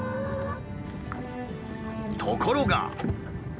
ところが。